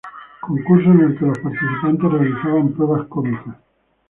Concurso en el que los participantes realizaban pruebas cómicas.